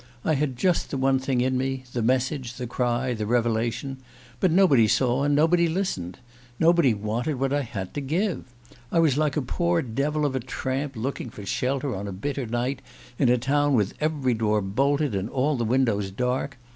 I had just the one thing in me: the message, the cry, the revelation. But nobody saw and nobody listened. Nobody wanted what I had to give. I was like a poor devil of a tramp looking for shelter on a bitter night, in a town with every door bolted and all the windows dark.